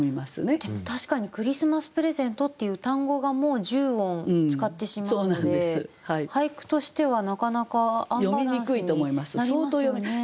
でも確かに「クリスマスプレゼント」っていう単語がもう１０音使ってしまうので俳句としてはなかなかアンバランスになりますよね。